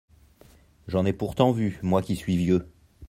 J’en ai pourtant vu, moi qui suis vieux !